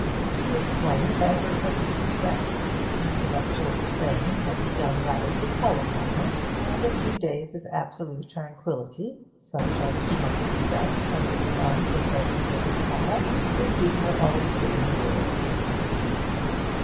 She explained that her purpose was rest; intellectual strain had begun rather to tell upon her, and a few days of absolute tranquillity, such as she might expect under the elms of Brent Hall, would do her all the good in the world.